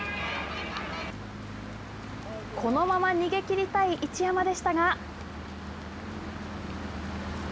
このまま逃げきりたい一山でしたが。